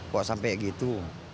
kok sampai gitu